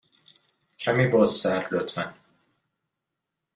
کمی بازتر، لطفاً.